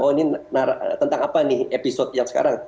oh ini tentang apa nih episode yang sekarang